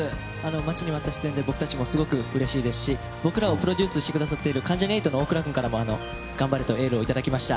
待ちに待った出演で僕たちもすごくうれしいですし僕らをプロデュースしてくださっている関ジャニ∞の大倉君からも頑張れとエールをいただきました。